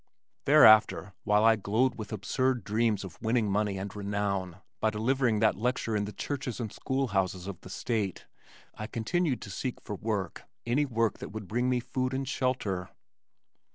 Thereafter while I glowed with absurd dreams of winning money and renown by delivering that lecture in the churches and school houses of the state, I continued to seek for work, any work that would bring me food and shelter.